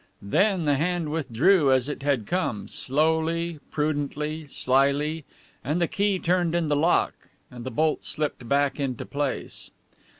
Then the hand withdrew as it had come, slowly, prudently, slyly, and the key turned in the lock and the bolt slipped back into place.